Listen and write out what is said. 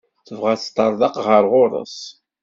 Tebɣa ad teṭṭerḍeq ɣer ɣur-s.